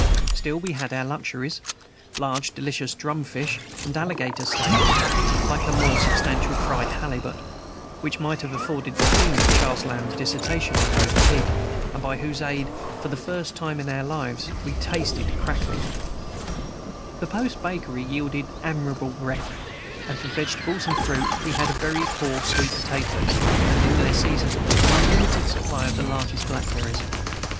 Still we had our luxuries, large, delicious drum fish, and alligator steaks, like a more substantial fried halibut, which might have afforded the theme for Charles Lamb's dissertation on Roast Pig, and by whose aid "for the first time in our lives we tested crackling" The post bakery yielded admirable bread; and for vegetables and fruit we had very poor sweet potatoes, and (in their season) an unlimited supply of the largest blackberries.